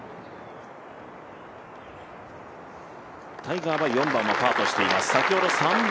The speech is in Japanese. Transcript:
タイガーは４番はパーとしています。